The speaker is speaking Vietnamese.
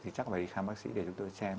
thì chắc phải đi khám bác sĩ để chúng ta xem